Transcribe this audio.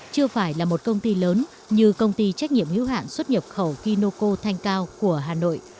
chưa phải là một công ty lớn như công ty trách nhiệm hữu hạn xuất nhập khẩu kinoco thanh cao của hà nội